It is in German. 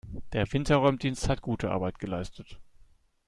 Der Winterräumdienst hat gute Arbeit geleistet.